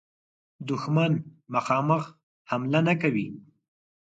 دښمن مخامخ حمله نه کوي.